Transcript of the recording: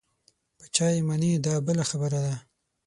په چا یې منې دا بله خبره ده.